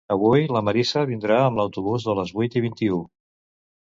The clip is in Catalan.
Avui la Marisa vindrà amb l'autobús de les vuit i vint-i-u